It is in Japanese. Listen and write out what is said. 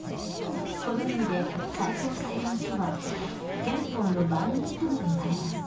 この意味で最高裁判所は「憲法の番人」ともいわれます。